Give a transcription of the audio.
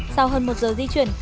sau hơn một giờ di chuyển